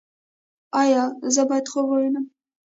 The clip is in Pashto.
ایا زه باید خوب ووینم؟